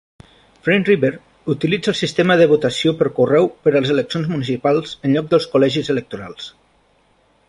French River utilitza el sistema de votació per correu per a les eleccions municipals en lloc dels col·legis electorals.